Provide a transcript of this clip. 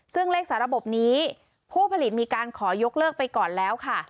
ซึ่งเลขสาระบบนี้ผู้ผลิตมีการขอยกเลิกไปก่อนแล้วค่ะ